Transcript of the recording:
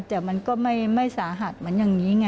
แต่มันก็ไม่สาหัสเหมือนอย่างนี้ไง